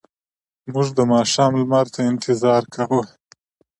موږ د ماښام لمر ته انتظار کاوه.